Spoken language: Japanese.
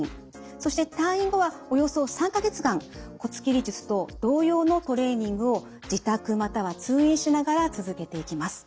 そして退院後はおよそ３か月間骨切り術と同様のトレーニングを自宅または通院しながら続けていきます。